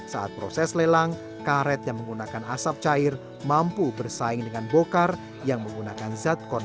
saat proses lelang karet yang menggunakan asap cair mampu bersaing dengan bokar yang menggunakan zat